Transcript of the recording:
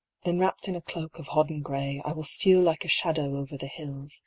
*' Then wrapped in a cloak of hodden gray I will steal like a shadow over the hills.